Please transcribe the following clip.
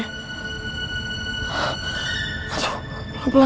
hah aduh belak belak